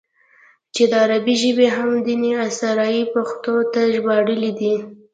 چې د عربي ژبې اهم ديني اثار ئې پښتو ته ژباړلي دي